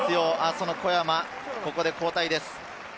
その小山、ここで交代です。